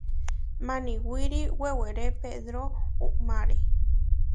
Maniwíri weweré Pedró umáre.